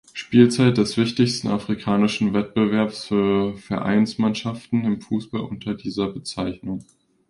Spielzeit des wichtigsten afrikanischen Wettbewerbs für Vereinsmannschaften im Fußball unter dieser Bezeichnung.